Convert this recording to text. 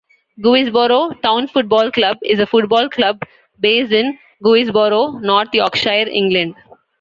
Guisborough Town Football Club is a football club based in Guisborough, North Yorkshire, England.